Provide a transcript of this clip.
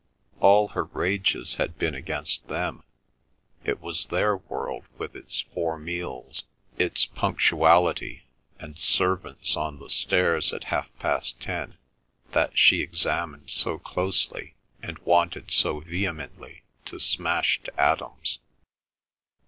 All her rages had been against them; it was their world with its four meals, its punctuality, and servants on the stairs at half past ten, that she examined so closely and wanted so vehemently to smash to atoms.